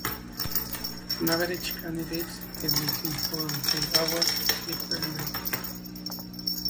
On average candidates get between four and five hours sleep per a night.